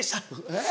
えっ？